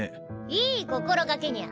いい心掛けニャ。